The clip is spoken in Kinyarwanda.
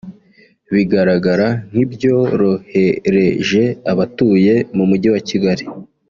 bigaragara nk’ibyorohereje abatuye mu mujyi wa Kigali